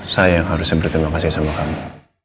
saya yang harusnya berterima kasih sama kamu